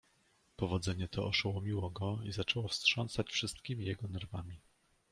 Powodzenie to oszołomiło go i zaczęło wstrząsać wszystkimi jego nerwami.